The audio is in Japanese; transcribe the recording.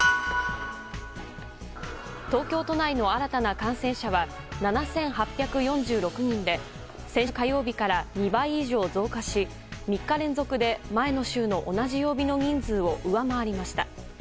東京都内の新たな感染者は７８４６人で先週火曜日から２倍以上増加し３日連続で前の週の同じ曜日の人数を上回りました。